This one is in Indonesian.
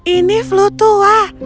ini flu tua